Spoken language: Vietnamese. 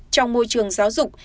trong môi trường giáo dục